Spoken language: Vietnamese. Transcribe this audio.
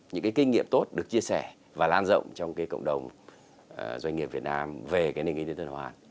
những cái kinh nghiệm tốt được chia sẻ và lan rộng trong cái cộng đồng doanh nghiệp việt nam về cái nền kinh tế tư đoàn hoàn